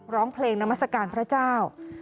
ร้องเพลงนามัศกาลพระเจ้า